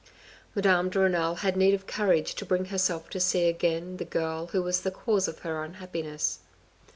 Madame de Renal had need of courage to bring herself to see again the girl who was the cause of her unhappiness.